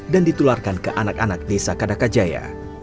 dan ditularkan ke anak anak desa kadakajaya